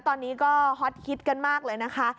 ตอนนี้ก็ฮอตฮิตกันมากเลยนะคะ